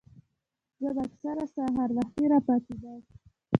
زۀ به اکثر سحر وختي راپاسېدم